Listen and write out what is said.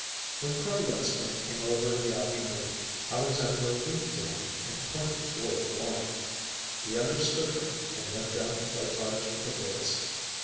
When Carl Linstrum came over in the afternoon, Alexandra winked to him and pointed toward the barn. He understood her and went down to play cards with the boys.